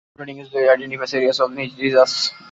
Closure planning usually identifies areas of needed research.